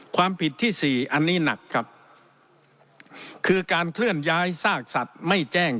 ความผิดที่สี่อันนี้หนักครับคือการเคลื่อนย้ายซากสัตว์ไม่แจ้ง